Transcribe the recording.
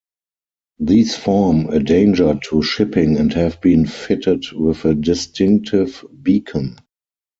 These form a danger to shipping and have been fitted with a distinctive beacon.